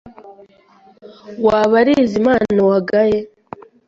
Waba ari izimano wagaye?